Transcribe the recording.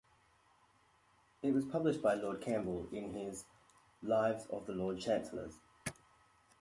It was published by Lord Campbell in his "Lives of the Lord Chancellors".